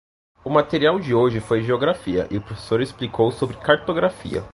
A matéria de hoje foi geografia e o professor explicou sobre cartografia.